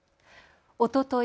おととい